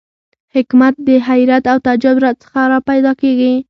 حکمت د حیرت او تعجب څخه را پیدا کېږي.